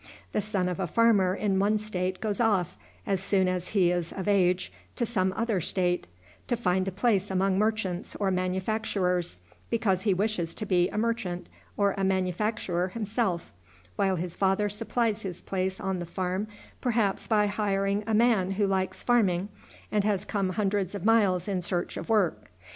The son of a farmer in one state goes off, as soon as he is of age, to some other state, to find a place among merchants or manufacturers, because he wishes to be a merchant or a manufacturer himself, while his father supplies his place on the farm perhaps by hiring a man who likes farming, and has come hundreds of miles in search of work.